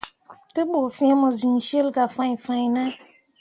Te ɓu fĩĩ mo siŋ cil gah fãi fãine.